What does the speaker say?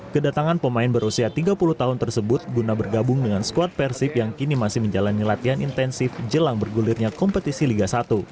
kedatangan pemain berusia tiga puluh tahun tersebut guna bergabung dengan skuad persib yang kini masih menjalani latihan intensif jelang bergulirnya kompetisi liga satu